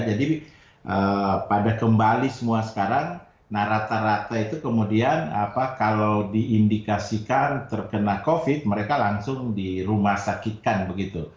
jadi pada kembali semua sekarang nah rata rata itu kemudian kalau diindikasikan terkena covid mereka langsung dirumah sakitkan begitu